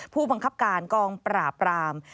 ผู้บังคับการกองปราบราม